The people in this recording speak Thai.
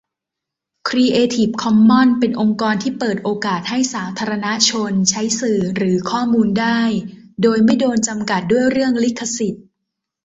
ครีเอทีฟคอมมอนส์ เป็นองค์กรที่เปิดโอกาสให้สาธารณชน ใช้สื่อหรือข้อมูลได้ โดยไม่โดนจำกัดด้วยเรื่องลิขสิทธิ์